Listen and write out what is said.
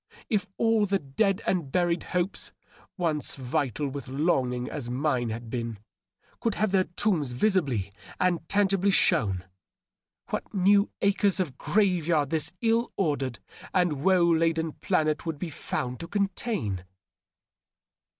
If all the dead and buried hopes, once vital with longing as mine had been, could have their tombs visibly and tangibly shown, what new acres of grave yard this ill ordered and woe laden planet would be found to contain